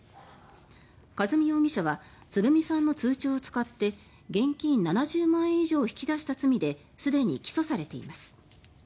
和美容疑者はつぐみさんの通帳を使って現金７０万円以上を引き出した罪ですでに起訴されています。